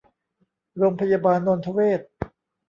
โรงพยาบาลนนทเวช